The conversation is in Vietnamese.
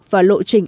và lộ trình